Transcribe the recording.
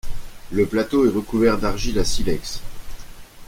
Le plateau est recouvert d'argile à silex.